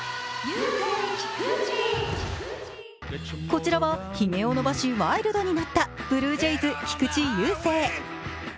こちらはひげを伸ばし、ワイルドになったブルージェイズ・菊池雄星。